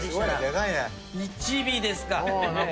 一尾ですか。